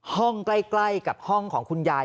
ห้องใกล้กับห้องของคุณยาย